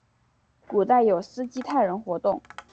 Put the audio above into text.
古代有斯基泰人活动。